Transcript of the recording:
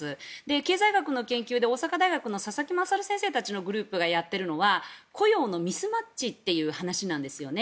経済学の研究で大阪大学の佐々木さんたちのグループがやっているのは雇用のミスマッチという話なんですね。